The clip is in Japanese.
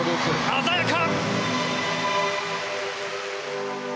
鮮やか！